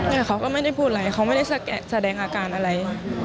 แต่เขาก็ไม่ได้พูดอะไรเขาไม่ได้แสดงอาการอะไร